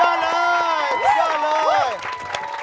สุดยอดสุดยอดเลยสุดยอดเลย